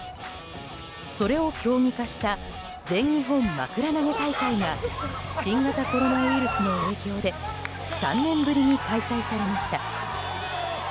それを競技化した全日本まくら投げ大会が新型コロナウイルスの影響で３年ぶりに開催されました。